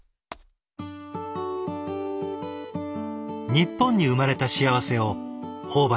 日本に生まれた幸せを頬張ろう。